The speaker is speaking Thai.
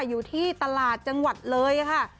อยู่ที่ตลาดจังหวัดเลยค่ะ